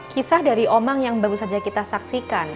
kisah dari omang yang baru saja kita saksikan